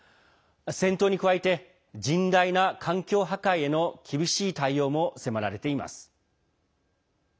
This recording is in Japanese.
戦闘に加えて甚大な環境破壊への厳しい対応も迫られています。